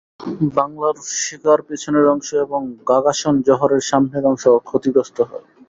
বাংলার শিখার পেছনের অংশ এবং গাগাসন জহরের সামনের অংশ ক্ষতিগ্রস্ত হয়।